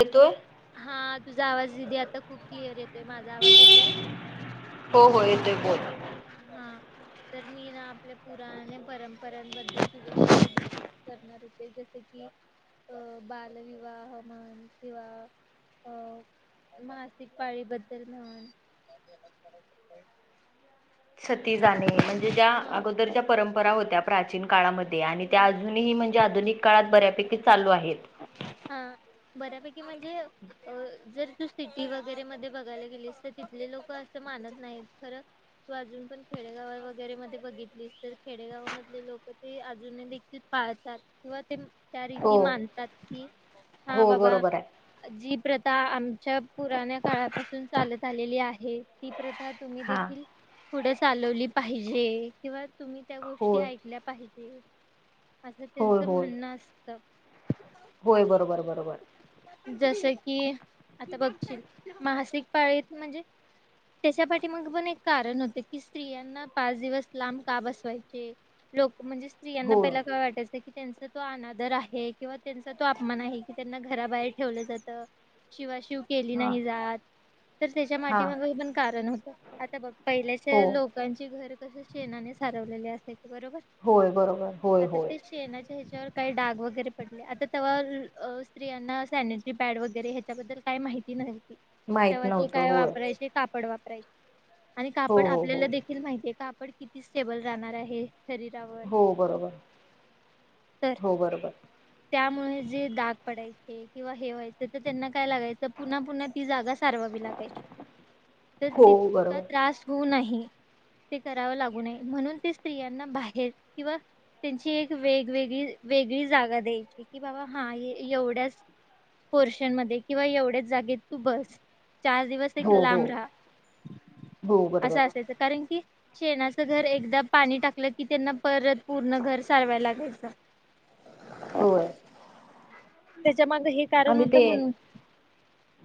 येतोय हा तुझा आवाज दिदी आता खूप क्लिअर येतोय माझा आवाज येतो हो हो येते बोल हा तर मी ना आपल्या पुराने परंपरांबद्दल तुझ्यासोबत करणार होते जसे की अ बालविवाह म्हन किंवा अ मासिक पाळीबद्दल म्हून छती जाणे म्हणजे ज्या हा अगोदरच्या्या परंपरा होत्या प्राचीन काळामध्ये आणि त्या म्हणजे अजूनही म्हणजे आधुनिक काळात बऱ्यापैकी चालू आहेत हा बऱ्यापैकी म्हणजे अ जर तू सिटी वगैरे मध्ये बघायला गेलीस तर तिथले लोक मानत नाहीत खरं तू अजून पण खेडेगाव वगैरे मध्ये बघितलीस तर खेडेगाव मधले लोक ते अजूनही पाळतात किंवा ते त्या रीती हो मानतात कि हा हो बाबा बरोबर आहे. जी प्रथा आमच्या पुराण्या काळापासून चालत आलेली आहे ती प्रथा तुम्ही हा देखील पुढं चालवली पाहिजे किंवा तुम्ही त्या गोष्टी होय ऐकल्या पाहिजे असं होय त्यांचं होय म्हणणं असतं होय बरोबर बरोबर जस की आता बघशील मासिक पाळीत म्हणजे त्याच्या पाठी मग पण एक कारण होत की स्त्रियांना पाच दिवस लांब का बसवायचे लोक म्हणजे स्त्रियांना होय पहिला काय वाटायचं की त्यांचा तो अनादर आहे किंवा त्यां तो अपमान आहे, की त्यांना घराबाहेर ठेवलं जातं, शिवाशिव केली हा नाही जात. तर त्याच्या हा माठी मग पण कारण होतं आता बघ पहिल्याचे हो लोक लोकांची घर कसे शचेनाने सारवलेली असायचे बरोबर. होय बरोबर! होय, होय! शेनाच्या ह्याच्यावर काय डग वैगेरे पडले आता तवा स्त्रियांना सॅनिटरी पॅड वगैरे ह्याच्याबद्दल काही माहिती नव्हती. माहित तेव्हा ते नव्हतं काय होय वापरायचे कापड वापरायचे आणि हो कापड हो हो आपल्याला देखील माहितीय काप पण किती स्टेबल राहणार आहे शरीरावर हो बरोबर तर, हो बरोबर! त्यामुळे जे दाग पडायचे किंवा हे व्हायचे तर त्यांना काय लागायचं पुन्हा पुन्हा. ती जागा सारवावी लागायची तर हो तितका बरोबर त्रास होऊ नाही. ते करावं लागू नये म्हणून ते स्त्रियांना बाहेर किंवा त्यांची एक वेगवेगळी वेगळी जागा द्यायची की बाबा हा एवढ्याच पोर्शन मध्ये किंवा एवढेच जागेत तू बस चार दिवस क हो हो लांब राहा हो बरोबर असा असायचं कारण की, शेणाचं घर एकदा पाणी टाकलं की त्यांना परत पूर्ण घर सारवाय लागायचं. होय. त्याच्या माग हे. कारण आणि होतं ते म्हणून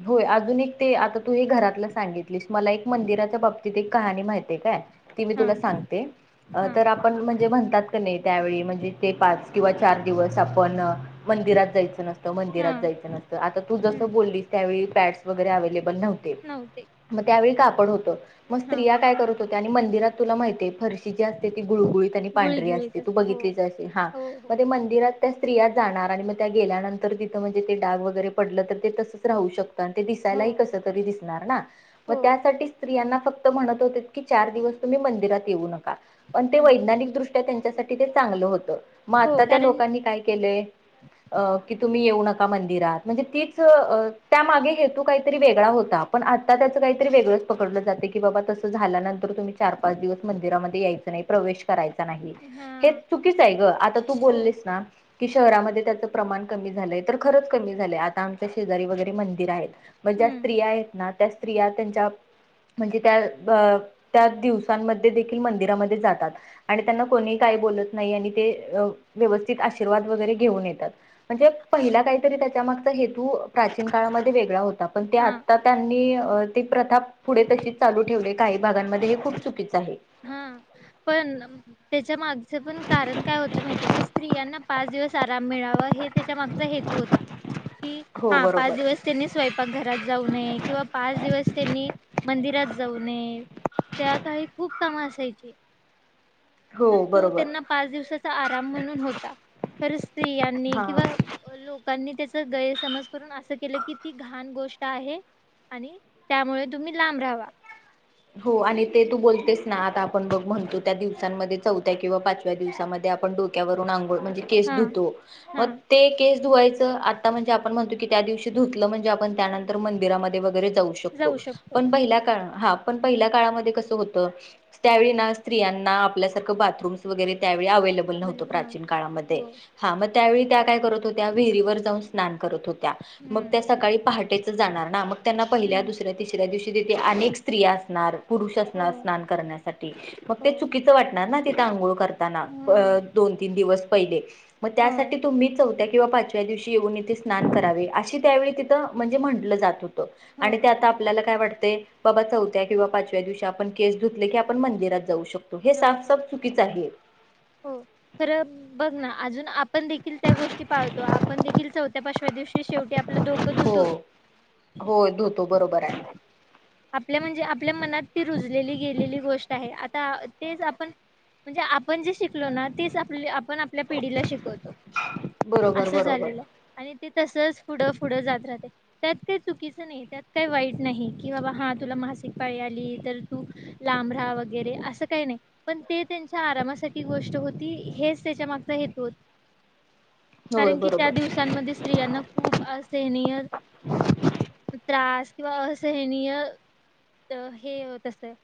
होय आधुनिक, ते आता तू घरातलं सांगितलीस मला एक मंदिराच्या बाबतीत एक कहाणी माहितीय काय. ती मी हा तुला सांगते हा तर आपण म्हणजे म्हणतात का नाही त्यावेळी म्हणजे ते पाच किंवा चार दिवस आपण मंदिरात जायचं नसतो हा मंदिरात. जायचं आता तू जस हम्म बोललीस त्यावेळी पॅडस वगैरे अव्हेलेबल नव्हते. मग त्यावेळी कापड होतं. मग हा स्त्रिया काय करत होत्या आणि मंदिरात तुला माहिते फरशी जी असते ती गुळगुळीत आणि गुळी पांढरी गिळीत असते. त हो बघितली हा हो हो मग ते मंदिरात त्या स्त्रिया जाणार आणि मग त्या गेल्यानंतर तिथ ते डाग वगैरे पडलं तर ते तसच राहू शकत आणि ते हो दिसायलाही कस तरी दिसणार ना. मग हो त्यासाठी स्त्रियांना फक्त म्हणत होते की चार दिवस तुम्ही मंदिरात येऊ नका. पण ते हम्म वैज्ञानिक दृष्ट्या त्यांच्यासाठी ते चांगलं होतं. मग हो आत्ता त्या कारण लोकांनी काय केलंय अ की तुम्ही येऊ नका. मिरात म्हणजे तीच त्या मागे हेतू काहीतरी वेगळा होता पण आता त्याच काहीतरी वेगळं. पकडलं जाते की बाबा तस झाल्यानंतर तुम् चार पाच दिवस मंदिरामध्ये यायचं नाही प्रवेश करायचा नाही. हे हा चुकीच आहे ग, आता तू हो बोललीस ना. कि शहरामध्ये त्याचं प्रमाण कमी झालंय तर खरंच कमी झालंय आता आमच्या शेजारी वगैरे मंदिर आहेत. मग ज्या हम्म स्त्रिया आहेत ना त्या स्त्रिया त्यांच्या म्हणजे त्या त्या दिवसांमध्ये देखील मंदिरामध्ये जातात. आणि त्यांना कोणी काही बोलत नाही आणि ते व्यवस्थित आशीर्वाद वगैरे घेऊन येतात. म्हणजे पहिला काहीतरी त्याच्या मागचा हेतू प्राचीन काळामध्ये वेगळा होता पण ते हा आता त्यांनी ती प्रथा पुढे तशीच चालू ठेवली काही भागांमध्ये हे खूप चुकीच आहे. हा पण त्याच्या मागचं पण कारण काय होतं माहिती का स्त्रियांना पाच दिवस आराम मिळावा हे त्याच्या मागचा हेतू होता की हो हा पाच बरोबर. दिवस. त्यांनी स्वयंपाक घरात जाऊ नये किंवा पाच दिवस त्यांनी मंदिरात जाऊ नये. त्या काळी खूप काम असायची. तर हो तो बरोबर त्यांना पाच दिवसाचा आराम म्हणून होता. खर स्त्रियांनी हा किंवा लोकांनी त्याच गैरसमज करून असं केलं की ती घाण गोष्ट आहे. आणि त्यामुळे तुम्ही लांब राहावा. हो आणि ते तू बोलतेस ना आता आपण बघ म्हणतो त्या दिवसांमध्ये चौथ्या किंवा पाचव्या दिवसामध्ये आपण डोक्यावरून अंघोळ म्हणजे केस हा धुतो हा मग, ते केस धुवायचं आता म्हणजे आपण म्हणतो की त्या दिवशी धुतलं म्हणजे आपण त्यानंतर मंदिरामध्ये वगैरे जाऊ. पण पहिला काळ हा पहिल्या काळामध्ये कसं होत त्यावेळी स्त्रियांना आपल्यासारखं बाथरूम वैगरे त्यावेळी अवेलेबल नव्हतं प्राचीन नव्हते काळामध्ये हो हा त्यावेळी त्या काय करत होता त्या विहिरीवर जाऊन स्नान करत होत्या मग त्या हम्म सकाळी पहाटेच जाणार ना मग त्यांना पहिल्या हम्म दुसऱ्या दिवशी दुसऱ्या दिवशी तिथे अनेक स्त्री असणार पुरुष हो असणार स्नान करण्यास मग ते हो चुकीच वाटणार ना तिथं आंघोळ करताना ह दोन तीन दिवस पहिले मग हो त्यासाठी तुम्ही चौथ्या किंवा पाचव्या दिवशी येऊन इथे स्नान करावे अशी त्यावेळी म्हणजे म्हटलं जात होत हो आणि ते आता आपल्याला काय वाटतं बाबा चौथ्या किंवा पाचव्या दिवशी आपण केस धुतले की आपण मंदिरात जाऊ शकतो हे जाऊ साफ शकतो साफ चुकीचे आहे. हो खरं बघ ना अजून आपण देखील त्या गोष्टी पाळतो आपण देखील चौथ्या पाचव्या दिवशी शेवटी कि आपलं डोकं धुत हो होय धुतो बरोबर आहे आपल्या म्हणजे आपल्या मनात ती रुजलेली गेलेली गोष्ट आहे आता तेच आपण म्हणजे आपण जे शिकलो ना तेच आप आपण आपल्या पिढीला शिकवतो बरोबर असं बरोबर झालेलं आणि ते तसच पुढं पुढं जात राहते. त्यात काही चुकीचं नाही त्यात काही वाईट नाही कि बाबा हा तुला मासिक पाळी आली तर तु लांब राहा वगैरे असं काही नाही पण ते त्यांच्या आरामासाठी गोष्ट होती हेच त्याच्या मागचा हेतू होता होय कारण की त्या बरोबर दिवसांमध्ये स्त्रियांना खूप असहनीय त्रास किंवा असहनीय हे तसं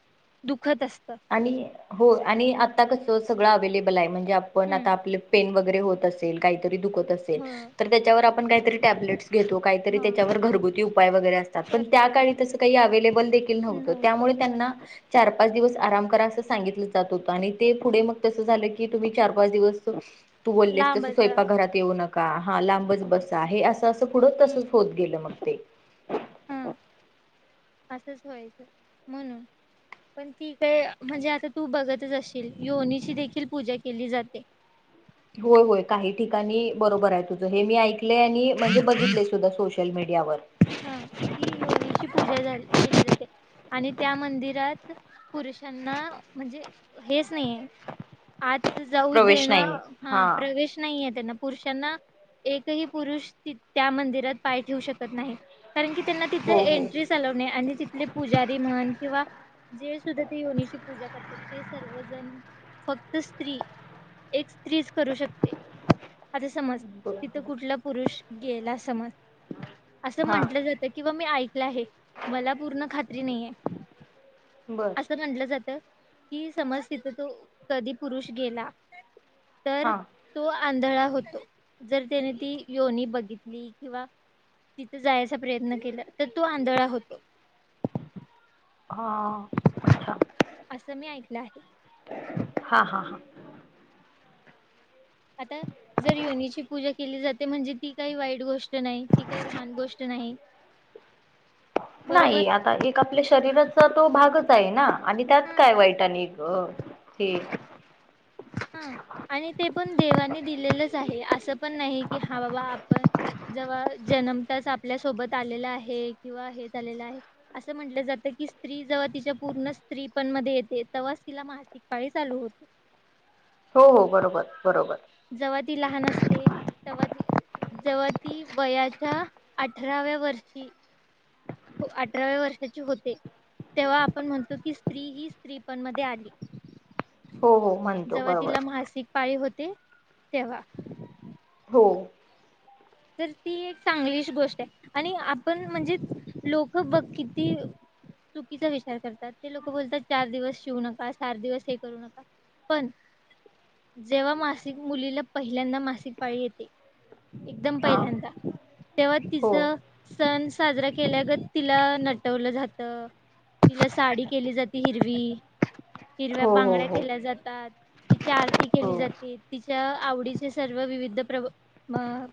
दुखतं असतं. आणि हो आणि आता कसं सगळं अवे्लेबल आहे म्हणजे आपण हम्म आता आपलं पेन वगैरे होत असतं. काहीतरी दुखत असेल. ह तर त्याच्यावर आपण काहीतरी टॅबलेटस घेतो काहीतरी हा त्याच्यावर घरगुती उपाय वगैरे असतात पण त्या करतो काळी तसं काही अवेलेबल देखील नव्हतं त्यामुळे त्यांना चार-पाच दिवस आराम करा असं सांगितलं जात होत आणि ते पुढे मग तसं झालं की तुम्ही चार पाच दिवस तू बोललेस तसं लांबच राहावा. स्वयपाक घरात येऊ नका हा लांबच बस हे असं असं पुढं तसंच हम्म होत. होत गेलं मग ते हा असंच व्हायचं म्हणून पण ती काडे म्हणजे आता तू बघतच असशील योनीची देखील पूजा केली जाते. होय होय काही ठिकाणी बरोबर आहे तुझं हे मी ऐकले आणि म्हणजे बघितले सुद्धा सोशल सोशल मिडियावर हा की योनीची पूजा झाली केली जाते. आणि त्या मंदिरात पुरुषांना म्हणजे हेच नाहीये आज जाऊ प्रवेश देण नाहीये हा प्रवेश नाहीय त्यांना पुरुषांना एकही पुरुष त्या मंदिरात पाय ठेवू शकत नाही. कारण की त्यांना तिथं हो हो एंट्री चालवणे आणि तिथले पुजारी म्हण किंवा जे सुद्धा ते योनीची पूजा करतात ते सर्वजण फक्त स्त्री एक स्त्रीच करू शकते आता समज बर तिथं हो कुठला पुरुष गेला समज असं हा म्हंटलं जातं किंवा मी ऐकलं आहे मला पूर्ण खात्री नाहीे बरं असं म्हटलं जातं कि समज तिथं तो पुरुष गेला तर हा तो आंधळा होतो जर त्याने ती योनी बघितली किंवा तिथं जायचा प्रयत्न केला तर तो आंधळा होतो. हा अच्छा असं मी ऐकलं आहे. हा हा हा‌. आता जर योनीची पूजा केली जाते म्हणजे ती काही वाईट गोष्ट नाही. ती काही घाण गोष्ट नाही. बरोबर नाही आता एक आपल्या शरीराचा तो भागच आहे ना आणि त्यात हा. काय वाईट आणि हो ठीक. हा आणि ते पण देवानी दिलेलंच आहे असं पण नाही की हा बाबा आपण जेव्हा जन्म तास आपल्यासोबत आलेला आहे किंवा हे झा आलेलं आहे. असं म्हटलं जातं की स्त्री जव्हा तिच्या पूर्ण स्त्री पणमध्येध्ये येते तेव्हाच तिला माह. तकाळी चालू होत. हो हो बरोबर बरोबर. जेव्हा ती लहान असते तेव्हा ती जवा ती वयाच्या अठराव्या वर्षी अठराव्या वर्षाची होते. तेव्हा आपण म्हणतो की स्त्री ही स्त्रीपण मध्ये आली‌. हो हो म्हणतो जवा बरोबर तिला मासिक पाळी होते तेव्हा. हो. तर ती एक चांगलीच गोष्ट आहे आणि आपण म्हणजे लोक ब किती? चुकीचा विचार करतात ते लोक बोलतात चार दिवस शिवु नका सात दिवस हे करू नका. पण जेव्हा मासिक मुलीला पहिल्यांदा मासिक पाळी येते. एकदम हा पहिल्यांदा तेव्हा हो तिचं सण साजरा केल्यागत तिला नटवलं जात. तिला साडी केली जाते हिरवी हिरव्या हो बांगड्या हो केल्या जातात. तिची आरती हो केली जाते तिच्या आवडीचे सर्व विविध प्र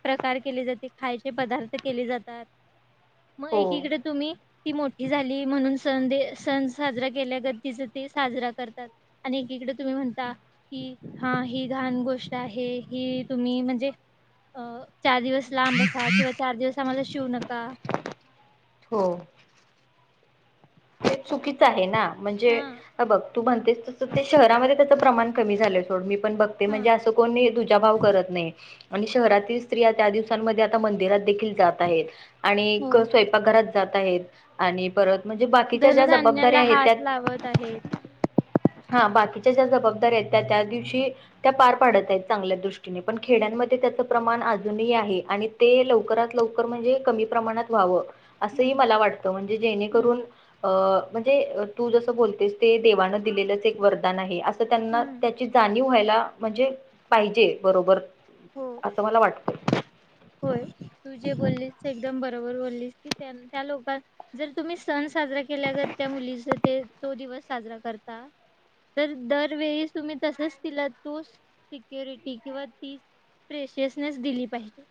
प्रकार केले जाते खायचे पदार्थ केले जातात मग हो हो एकीकडे तुम्ही ती मोठी झाली म्हणून सण सण साजरा केल्यागत तिच ते साजरा करतात. आणि एकीकडे तुम्ही म्हणता. कि हा ही घान गोष्ट आहे ही तुम्ही म्हणजे अ चार दिवस लांब असा किंवा चार दिवस आम्हाला शिवु नका. हो. ते चुकीच आहे ना म्हणजे हा बघ तू म्हणतेस तस ते शहरामध्ये त्याच प्रमाण कमी झालं सोड मी पण बघते म्हणजे हा. असं कोणी दुजा भाव करत नाही. आणि शहरातील स्त्रिया त्या दिवसांमध्ये आता मंदिरात देखील जात आहेत आणि हो. स्व पाक घरात जात आहेत आणि परत म्हणजे बाकीच्या ज्या जबाबदाऱ्या धनधान्याला आहेत त्या हात लावत आहेत. हा बाकीच्या ज्या जबाबदाऱ्या आहेत त्या त्या दिवशी त्या पार पाडत आहेत चांगल्या दृष्टीने पण खेड्यांमध्ये त्याचं प्रमाण अजूनही आहे आणि ते लवकरात लवकर म्हणजे कमी प्रमाणात व्हावं असंही हम्म. मला वाटतं म्हणजे जेणेकरून हम्म अ म्हणजे तू जसं बोलतेस ते देवानं दिलेलंच एक वरदान आहे अस. तर त्यांना हम्म त्याची जाणीव व्हायला म्हणजे पाहिजे बरोबर हो असं मला वाटत. होय तू जे बोललीस ते एकदम बरोबर बोललीस की त्या त्या लोकां जर तुम्ही सण साजरा केल्यागत त्या मुलीचा ते तो दिवस साजरा करता. तर दरवेळी तुम्ही तसच तिला तोच सिक्युरिटी किंवा ती फ्रेशियसनेस दिली पाहिजे.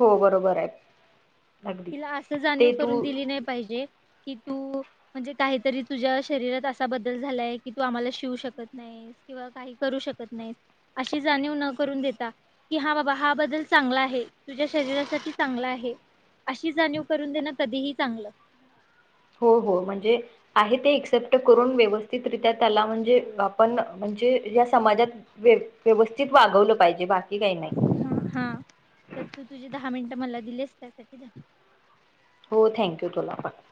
हो बरोबर आहे. अगदी तिला असं जाणीव ते करून तू दिली नाही पाहिजे. कि तू म्हणजे काहीतरी तुझ्या शरीरात असा बदल झालाय की तू आम्हाला शिवू शकत नाही. किंवा काही करू शकत नाही अशी जाणीव न करून देता. कि हा बाबा हा बदल चांगला आहे तुझ्या शरीरासाठी चांगला आहे. आशी जाणीव करून देणं कधीही चांगलं. हो हो म्हणजे आहे ते एक्सेप्ट करून व्यवस्थितरित्या त्याला म्हणजे आपण म्हणजे या समाजात वे व्यवस्थित वागवलं पाहिजे बाकी काही नाही ह हा तर तू तुझे दहा मिनटं मला दिलेस त्यासाठी धन्यवाद हो थँक्यू तुला पण.